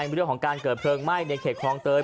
เรื่องของการเกิดเพลิงไหม้ในเขตคลองเตย